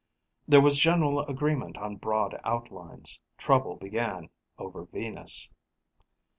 There was general agreement on broad outlines. Trouble began over Venus.